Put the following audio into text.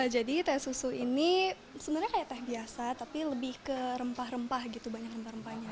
jadi teh susu ini sebenarnya kayak teh biasa tapi lebih ke rempah rempah gitu banyak rempah rempahnya